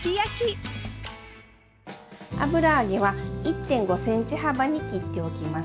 油揚げは１．５センチ幅に切っておきます。